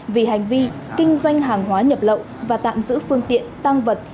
vì hành vi kinh doanh hàng hóa nhập lậu và tạm giữ phương tiện tăng vật